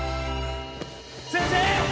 先生！